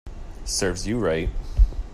Serves you right